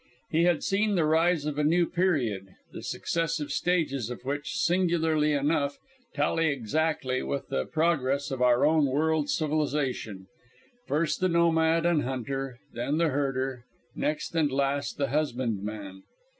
He had seen the rise of a new period, the successive stages of which, singularly enough, tally exactly with the progress of our own world civilization: first the nomad and hunter, then the herder, next and last the husband man.